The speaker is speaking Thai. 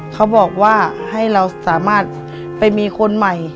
เขาบอกว่าให้เราสามารถไปมีคนใหม่